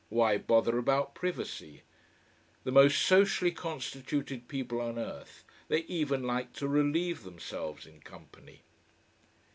Why bother about privacy? The most socially constituted people on earth, they even like to relieve themselves in company.